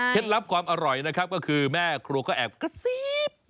เท็ดลับความอร่อยก็คือแม่ครัวก็แอบกระซี๊บ